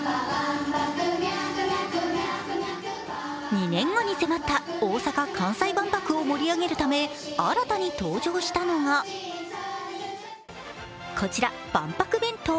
２年後に迫った大阪・関西万博を盛り上げるため新たに登場したのが、こちら、万博弁当。